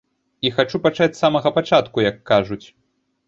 І хачу пачаць з самага пачатку, як кажуць.